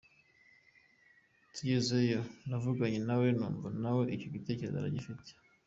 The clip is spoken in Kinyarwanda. Tugezeyo navuganye nawe numva nawe icyo gitekerezo aragifite.